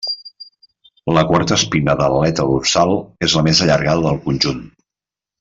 La quarta espina de l'aleta dorsal és la més allargada del conjunt.